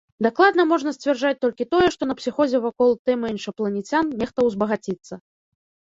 Дакладна можна сцвярджаць толькі тое, што на псіхозе вакол тэмы іншапланецян нехта ўзбагаціцца.